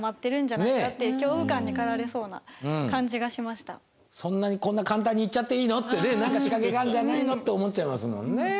すごい何かそんなにこんな簡単に行っちゃっていいの？ってね何か仕掛けがあるんじゃないの？って思っちゃいますもんね。